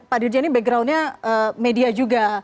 pak dirjen ini backgroundnya media juga